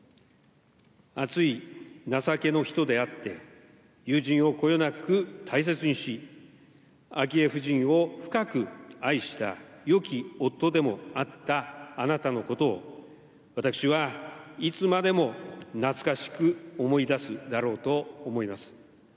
熱い情けの人であって、友人をこよなく大切にし、昭恵夫人を深く愛したよき夫でもあったあなたのことを、私はいつまでも懐かしく思い出すだろうと思います。